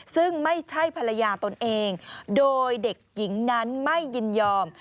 ซึ่งไม่ใช่ภรรยาตนเองโดยเด็กหญิงนั้นไม่ยินยอม